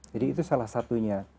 jadi itu salah satunya